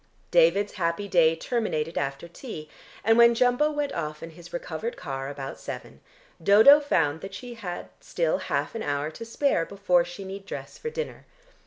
David's happy day terminated after tea, and when Jumbo went off in his recovered car about seven, Dodo found that she had still half an hour to spare before she need dress for dinner.